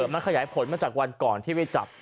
มันขยายผลมาจากวันก่อนที่ไปจับ